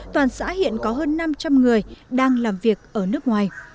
toàn xã hiện có hơn năm trăm linh người đang làm việc ở nước ngoài